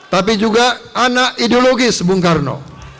tapi juga anak ideologis bung karno